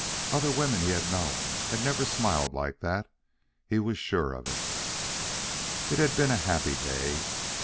Other women he had known had never smiled like that; he was sure of it. It had been a happy day.